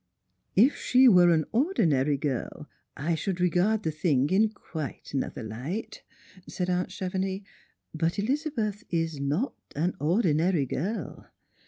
" If slie weije an ordinary girl, I should regard the thinfi^ iu quite another light," said aunt Chevenix; "but Elizabeth is not an ordinary girl."